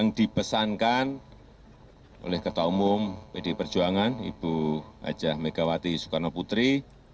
pdi perjuangan pdi perjuangan ibu hj megawati soekarno putri